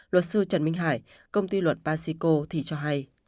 luật sư trần minh hải công ty luật pasico thì cho hay